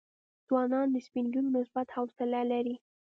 ځوانان د سپین ږیرو نسبت حوصله لري.